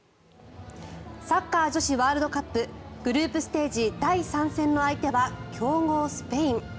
サッカー女子ワールドカップグループステージ第３戦の相手は強豪スペイン。